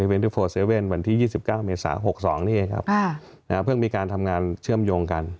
๗๑๑วันที่๒๙เมษา๖๒นี่เองครับเพิ่งมีการทำงานเชื่อมโยงกัน